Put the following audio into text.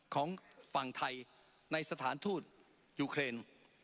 ของฝั่งไทยในสถานทูตยูเครน